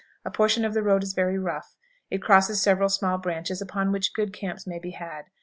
A portion of the road is very rough. It crosses several small branches upon which good camps may be had.